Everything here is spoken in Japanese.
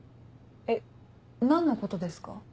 えっ何のことですか？